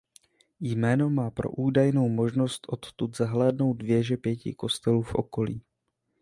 Jméno má pro údajnou možnost odtud zahlédnout věže pěti kostelů v okolí.